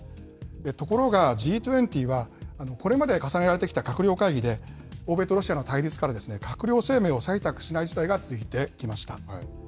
ところが、Ｇ２０は、これまで重ねられてきた閣僚会議で、欧米とロシアの対立から閣僚声明を採択しない事態が続いてきました。